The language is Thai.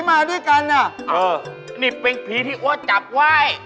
มีอะไรมีของปลูกเศษไหม